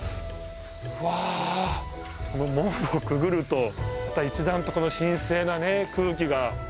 うわぁこの門をくぐるとまた一段とこの神聖なね空気が。